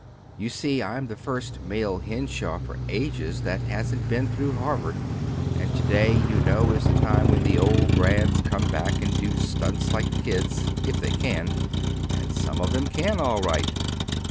You see I'm the first male Henshaw for ages that hasn't been through Harvard; and to day, you know, is the time when the old grads come back and do stunts like the kids if they can (and some of them can all right!).